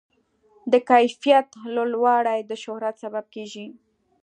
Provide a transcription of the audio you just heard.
د کیفیت لوړوالی د شهرت سبب کېږي.